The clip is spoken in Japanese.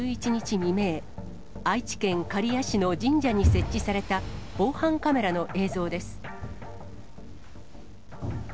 未明、愛知県刈谷市の神社に設置された防犯カメラの映像です。